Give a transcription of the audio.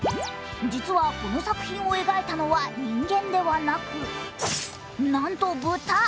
実はこの作品を描いたのは人間ではなく、なんと、豚。